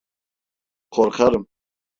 Korkarım…